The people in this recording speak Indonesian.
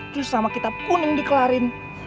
terus sama kitab kuning dikelarin